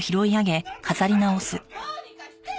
どうにかしてよ！